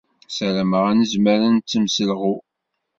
Ssarameɣ ad nezmer ad nettemselɣu.